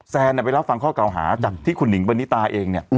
แซนไปรับฟังข้อเก่าหาจากที่คุณหิงปณิตาเองเนี่ย